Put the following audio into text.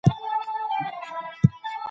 اقتصاد باید پیاوړی سي.